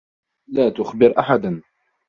لا تُخبِر أحداً.